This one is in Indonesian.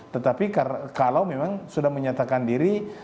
tetapi kalau memang sudah menyatakan diri